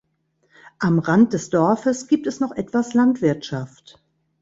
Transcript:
Am Rand des Dorfes gibt es noch etwas Landwirtschaft.